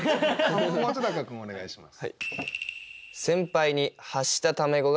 本君お願いします。